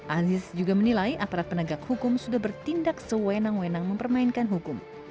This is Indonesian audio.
aziz juga menilai aparat penegak hukum sudah bertindak sewenang wenang mempermainkan hukum